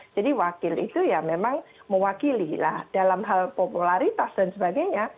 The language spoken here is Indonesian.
jadi wakil itu ya memang mewakili lah dalam hal popularitas dan sebagainya